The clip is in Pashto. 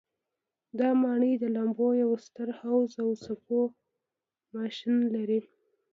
دا ماڼۍ د لامبو یو ستر حوض او څپو ماشین لري.